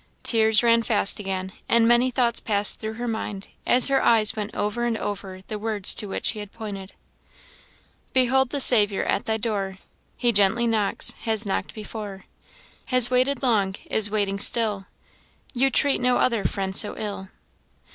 Tears ran fast again, and many thoughts passed through her mind, as her eyes went over and over the words to which he had pointed "Behold the Saviour at thy door; He gently knocks, has knock'd before, Has waited long, is waiting still, You treat no other friend so ill.